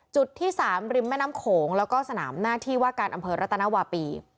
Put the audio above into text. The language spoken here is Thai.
จุดที่๓ริมแม่น้ำโขงแล้วก็สนามหน้าที่ว่าการอำเภอรัตนวาปี